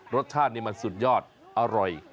รสชาตินี่มันสุดยอดอร่อย